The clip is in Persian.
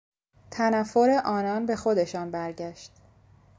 تنفر آنان به خودشان برگشت.